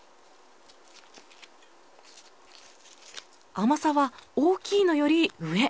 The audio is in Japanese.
甘さは大きいのより上。